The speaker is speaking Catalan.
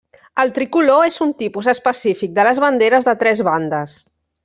El tricolor és un tipus específic de les banderes de tres bandes.